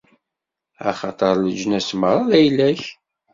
Axaṭer leǧnas merra d ayla-k!